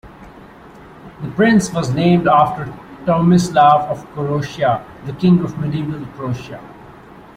The Prince was named after Tomislav of Croatia, the King of medieval Croatia.